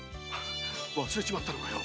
忘れちまったのかよ